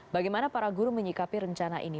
bagaimana para guru menyikapi rencana ini